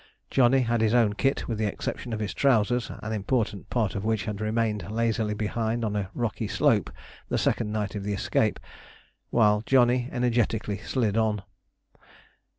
Johnny had his own kit with the exception of his trousers, an important part of which had remained lazily behind on a rocky slope the second night of the escape, while Johnny energetically slid on.